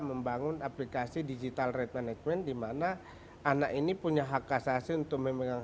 kita membangun aplikasi digital rate management dimana anak ini punya hak asasi untuk memegang